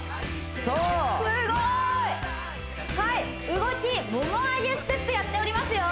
そうすごい！はい動きモモ上げステップやっておりますよ